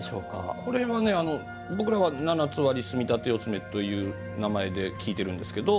これは、僕らは七つ割り隅立て四つ目紋という名前で聞いてるんですけど。